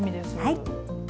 はい。